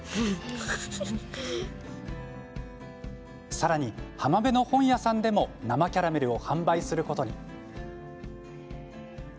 さらに、浜辺の本屋さんでも生キャラメルを販売することに。